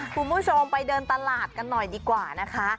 คุณผู้ชมไปเดินตลาดกันหน่อยดีกว่านะคะ